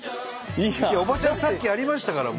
おばちゃんさっきやりましたから。